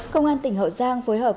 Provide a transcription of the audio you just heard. công an tỉnh hậu giang phối hợp